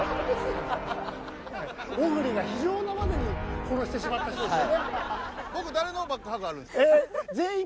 小栗が非情なまでに殺してしまった人ですよね。